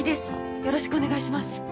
よろしくお願いします。